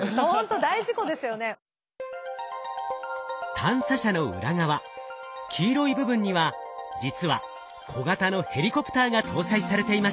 探査車の裏側黄色い部分には実は小型のヘリコプターが搭載されていました。